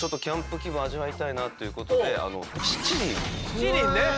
七輪ね！